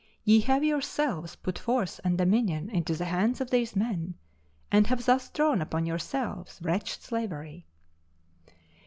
Ye have yourselves put force and dominion into the hands of these men, and have thus drawn upon yourselves wretched slavery."